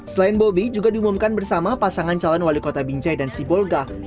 selain bobi juga diumumkan bersama pasangan calon wali kota binjai dan sibolga